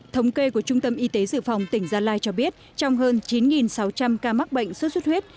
thống kê của trung tâm y tế dự phòng tỉnh gia lai cho biết trong hơn chín sáu trăm linh ca mắc bệnh sốt xuất huyết